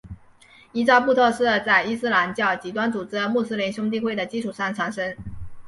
伊扎布特是在伊斯兰教极端组织穆斯林兄弟会的基础上产生。